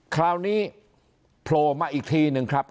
คราวนี้โผล่มาอีกทีหนึ่งครับ